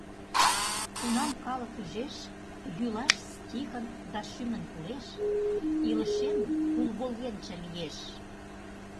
Кунам калык ӱжеш Йӱлаш стихын да шӱмын тулеш — Илышем тул волгенче лиеш.